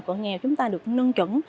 cận nghèo chúng ta được nâng trứng